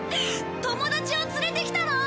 友達を連れて来たの？